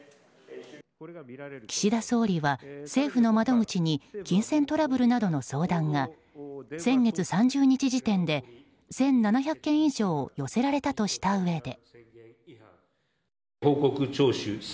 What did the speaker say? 岸田総理は政府の窓口に金銭トラブルなどの相談が先月３０日時点で１７００件以上寄せられたとしたうえで。